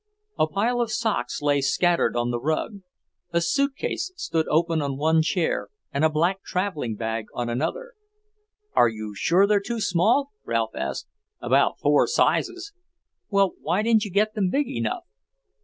A pile of socks lay scattered on the rug. A suitcase stood open on one chair and a black travelling bag on another. "Are you sure they're too small?" Ralph asked. "About four sizes." "Well, why didn't you get them big enough?"